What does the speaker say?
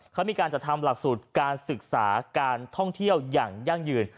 เขามีการจัดทำหลักสูตรการศึกษาการท่องเที่ยวอย่างยั่งยืน